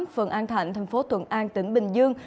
phần an thạnh tp thuận an tỉnh bình dương